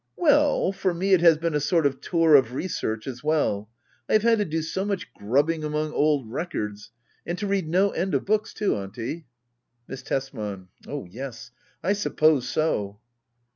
Well, for, me it has been a sort of tour of re search as well. I have had to do so much grubbing among old records — and to read no end of books too. Auntie. Miss Tesman. Oh yes, I suppose so.